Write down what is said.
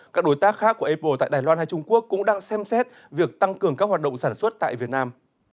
các đối tác khác của apple tại đài loan hay trung quốc cũng đang xem xét việc tăng cường các hoạt động sản xuất tại việt nam